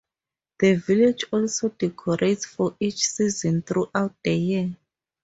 The village also decorates for each season throughout the year.